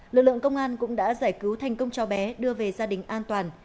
lực lượng công an cũng đã giải cứu thành công cháu bé đưa về gia đình an toàn